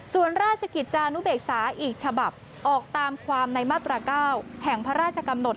ส่วนราชกิจจานุเบกษาอีกฉบับออกตามความในมาตรา๙แห่งพระราชกำหนด